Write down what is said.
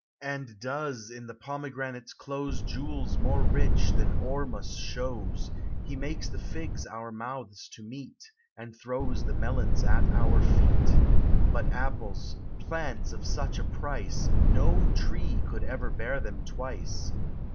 And does in the pomegranates close Jewels more rich than Ormus shows: He makes the figs our mouths to meet;, And throws the melons at our feet; But apples, plants of such a price, No tree could ever bear them twice.